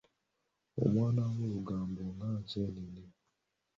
Omwana wa lugambo ng'enseenene.